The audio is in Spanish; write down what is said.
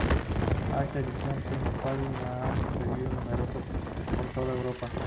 A esa edición príncipe le han sucedido numerosas por toda Europa.